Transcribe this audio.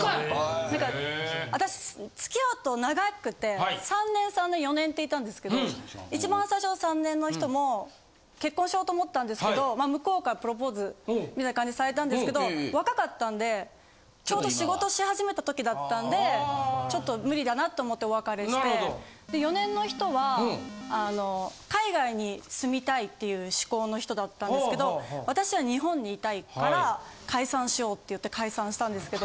私付き合うと長くて３年・３年・４年っていたんですけど一番最初の３年の人も結婚しようと思ったんですけど向こうからプロポーズみたいな感じされたんですけど若かったんでちょうど仕事し始めたときだったんでちょっと無理だなって思ってお別れして４年の人は海外に住みたいっていう志向の人だったんですけど私は日本にいたいから。って言って解散したんですけど。